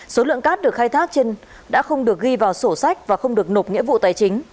số lượng cát được khai thác trên đã không được ghi vào sổ sách và không được nộp nghĩa vụ tài chính